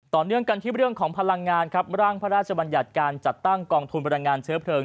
ต่อเนื่องกันที่เรื่องของพลังงานครับร่างพระราชบัญญัติการจัดตั้งกองทุนพลังงานเชื้อเพลิง